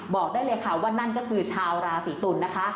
บอกได้เลยค่ะว่านั่นก็คือชาวราศีตุลนะคะ